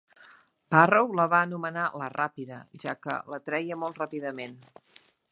Barrow la va anomenar "la ràpida", ja que la treia molt ràpidament.